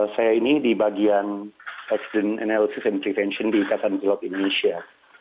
saya ini di bagian accident analys and prevention di ikatan pilot indonesia